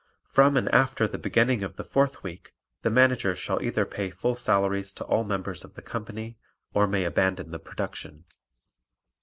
From and after the beginning of the fourth week the Manager shall either pay full salaries to all members of the company or may abandon the production.